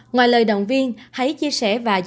ngoài lời đồng viên hãy chia sẻ và giúp đỡ gia đình